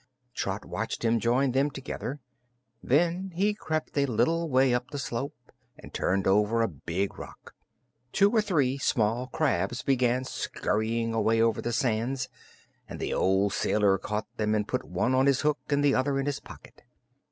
Trot watched him join them together. Then he crept a little way up the slope and turned over a big rock. Two or three small crabs began scurrying away over the sands and the old sailor caught them and put one on his hook and the others in his pocket.